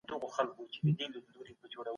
پاچا تیره شپه حکم وکړ.